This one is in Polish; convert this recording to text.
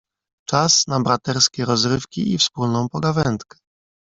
"Czas na braterskie rozrywki i wspólną pogawędkę."